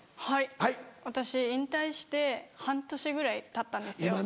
はい私引退して半年ぐらいたったんですよ。